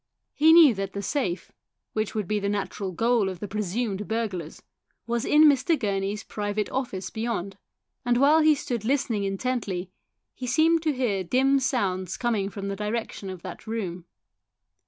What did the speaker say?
He knew that the safe, which would be the natural goal of the presumed burglars, was in Mr. Gurney's private office beyond, and while he stood listening intently he seemed to hear dim sounds coming from the direction of that room.